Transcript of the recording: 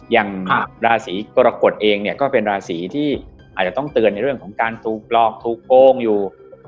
อย่างราศีกรกฎเองเนี่ยก็เป็นราศีที่อาจจะต้องเตือนในเรื่องของการถูกหลอกถูกโกงอยู่